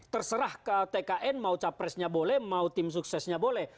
terserah ke tkn mau capresnya boleh mau tim suksesnya boleh